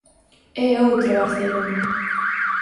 É outro Barcelona.